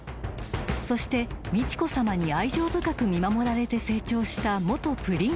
［そして美智子さまに愛情深く見守られて成長した元プリンセスが］